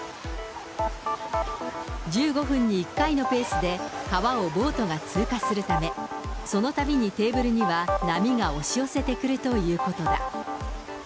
１５分に１回のペースで、川をボートが通過するため、そのたびにテーブルには波が押し寄せてくるということだ。